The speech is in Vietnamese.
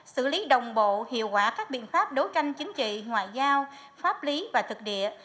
xử lý đồng bộ hiệu quả các biện pháp đấu tranh chính trị ngoại giao pháp lý và thực địa